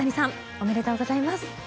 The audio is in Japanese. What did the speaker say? おめでとうございます。